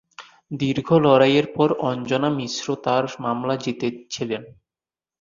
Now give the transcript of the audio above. দীর্ঘ লড়াইয়ের পর অঞ্জনা মিশ্র তার মামলা জিতেছিলেন।